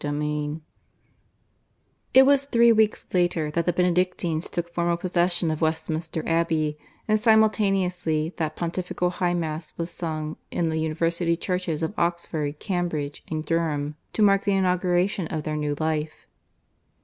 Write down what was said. CHAPTER II (I) It was three weeks later that the Benedictines took formal possession of Westminster Abbey, and simultaneously that Pontifical High Mass was sung in the University churches of Oxford, Cambridge, and Durham, to mark the inauguration of their new life.